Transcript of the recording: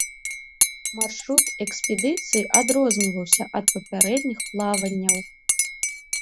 Маршрут экспедыцыі адрозніваўся ад папярэдніх плаванняў.